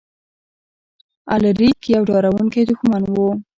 الاریک یو ډاروونکی دښمن و.